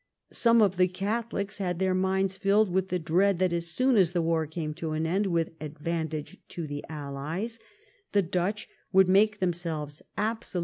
Some of the Catholics had their minds filled with the dread that as soon as the war came to an end with advantage to the allies the Dutch would make themselves absolute 348